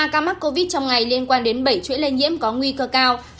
một mươi ba ca mắc covid trong ngày liên quan đến bảy chuỗi lây nhiễm có nguy cơ cao